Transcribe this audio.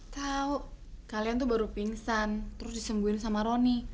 tau kalian tuh baru pingsan terus disembuhin sama roni